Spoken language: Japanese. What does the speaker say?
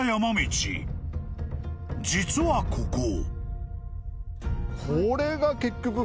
［実はここ］